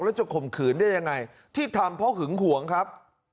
แล้วจะข่มขืนได้ยังไงที่ทำเพราะหึงหวงครับ